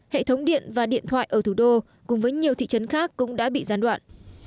hệ thống điện và điện thoại ở thủ đô cùng với nhiều thị trấn khác cũng đã bị gián đoạn